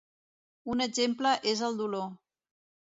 Un exemple és el dolor.